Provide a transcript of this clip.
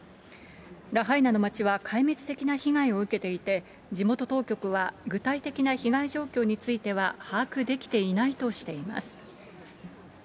ラハイナの街は壊滅的な被害を受けていて、地元当局は具体的な被害状況については把握できていないとしています。